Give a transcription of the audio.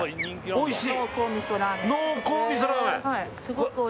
おいしい？